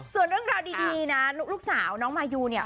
ส่วนเรื่องราวดีนะลูกสาวน้องมายูเนี่ย